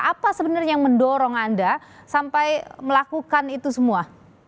apa sebenarnya yang mendorong anda sampai melakukan itu semua